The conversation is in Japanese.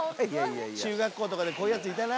「中学校とかでこういうヤツいたな」